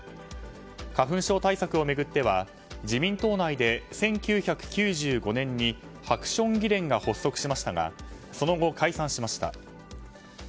花粉症対策を巡っては自民党内で１９９５年にハクション議連が発足しましたがその後、解散しました。